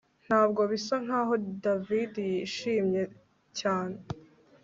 Ntabwo bisa nkaho David yishimye cyane